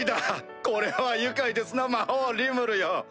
これは愉快ですな魔王リムルよ！